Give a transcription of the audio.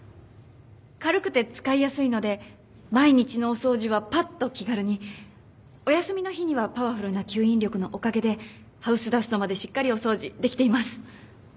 軽くて使いやすいので毎日のお掃除はぱっと気軽にお休みの日にはパワフルな吸引力のおかげでハウスダストまでしっかりお掃除できています。